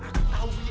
akan tau wi